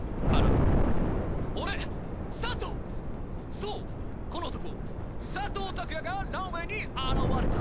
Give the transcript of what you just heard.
そうこの男佐藤拓也がランウェイに現れた！